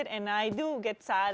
dan saya merasa sedih